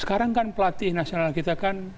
sekarang kan pelatih nasional kita kan